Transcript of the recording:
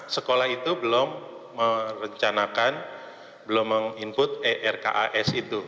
sekolah itu belum merencanakan belum meng input erkas itu